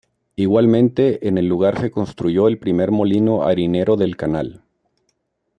Igualmente en el lugar se construyó el primer molino harinero del Canal.